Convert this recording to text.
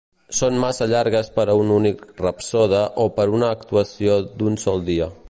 Són massa llargues per a un únic rapsode o per a una actuació d'un sol dia.